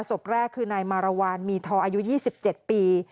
ศพแรกคือนายมารวาลมีทออายุ๒๗ปี